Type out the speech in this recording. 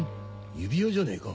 指輪じゃねえか。